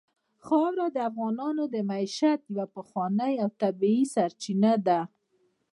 خاوره د افغانانو د معیشت یوه پخوانۍ او طبیعي سرچینه ده.